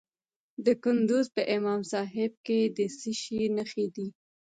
د کندز په امام صاحب کې د څه شي نښې دي؟